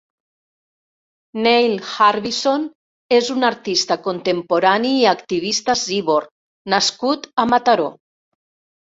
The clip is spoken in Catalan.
Neil Harbisson és un artista contemporani i activista ciborg nascut a Mataró.